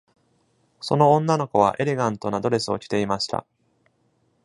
その女の子はエレガントなドレスを着ていました。